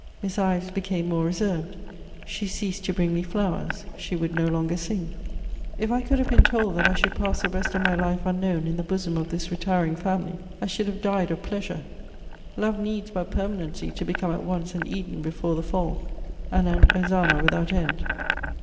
Miss Ives became more reserved; she ceased to bring me flowers; she would no longer sing. [Sidenote: Charlotte Ives.] If I could have been told that I should pass the rest of my life unknown in the bosom of this retiring family, I should have died of pleasure: love needs but permanency to become at once an Eden before the fall and an Hosanna without end.